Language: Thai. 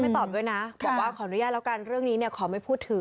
ตอบด้วยนะบอกว่าขออนุญาตแล้วกันเรื่องนี้เนี่ยขอไม่พูดถึง